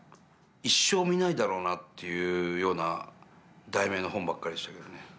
一生見ないだろうなというような題名の本ばっかりでしたけどね。